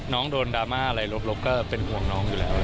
น้องโดนดราม่าอะไรลบก็เป็นห่วงน้องอยู่แล้ว